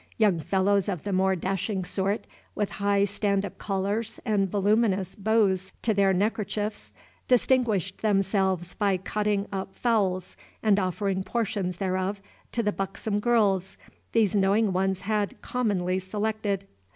Young fellows of the more dashing sort, with high stand up collars and voluminous bows to their neckerchiefs, distinguished themselves by cutting up fowls and offering portions thereof to the buxom girls these knowing ones had commonly selected.